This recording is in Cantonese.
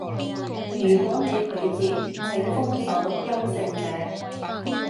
如果你拒絕，請封鎖優勝者